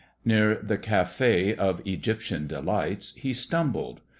Near the Cafe of Egyptian Delights he stumbled.